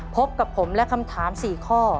พบกับผมและคำถาม๔ข้อ